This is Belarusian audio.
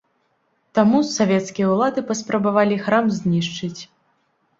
Таму савецкія ўлады паспрабавалі храм знішчыць.